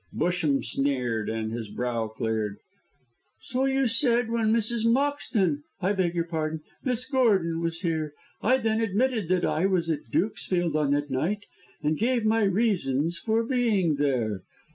Busham sneered, and his brow cleared. "So you said when Mrs. Moxton I beg your pardon Miss Gordon was here. I then admitted that I was at Dukesfield on that night, and gave my reasons for being there.